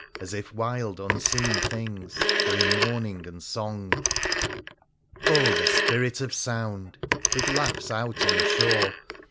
As if wild, unseen things Were in mourning and song. Oh ! the Spirit of Sound ! It laughs out on the shore.